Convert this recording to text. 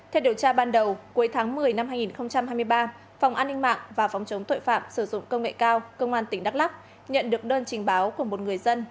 theo điều tra ban đầu cuối tháng một mươi năm hai nghìn hai mươi ba phòng an ninh mạng và phòng chống tội phạm sử dụng công nghệ cao công an tỉnh đắk lắk nhận được đơn trình báo của một người dân